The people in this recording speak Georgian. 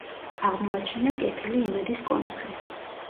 აღმოაჩინა კეთილი იმედის კონცხი.